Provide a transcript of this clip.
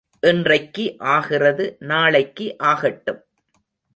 இன்றைக்கு ஆகிறது நாளைக்கு ஆகட்டும்.